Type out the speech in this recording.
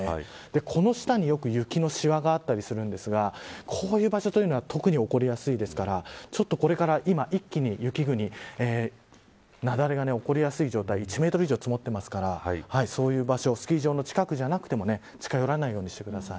この下によく雪のしわがあったりするんですがこういう場所というのは特に起こりやすいですからこれから今、一気に雪国雪崩が起こりやすい状態１メートル以上積もってますからそういう場所スキー場の近くじゃなくても近寄らないようにしてください。